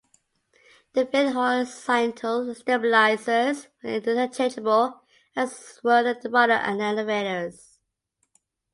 The fin and horizontal stabilizers were interchangeable, as were the rudder and the elevators.